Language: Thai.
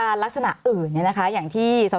สวัสดีครับทุกคน